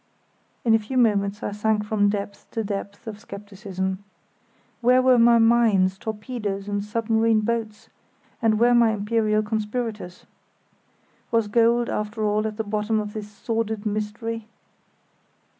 In a few moments I sank from depth to depth of scepticism. Where were my mines, torpedoes, and submarine boats, and where my imperial conspirators? Was gold after all at the bottom of this sordid mystery?